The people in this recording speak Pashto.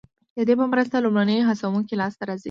ددې په مرسته لومړني هڅوونکي لاسته راځي.